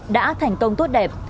đã thành công tốt đẹp